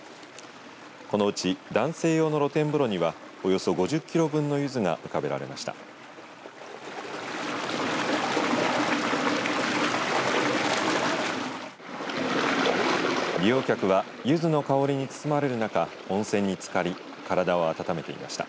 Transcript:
このうち男性用の露天風呂にはおよそ５０キロ分のゆずが浮かべられました。